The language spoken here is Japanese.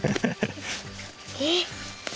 えっ。